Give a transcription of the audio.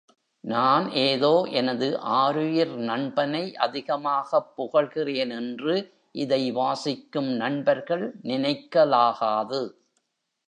நான் ஏதோ எனது ஆருயிர் நண்பனை அதிகமாகப் புகழ்கின்றேன் என்று இதை வாசிக்கும் நண்பர்கள் நினைக்கலாகாது.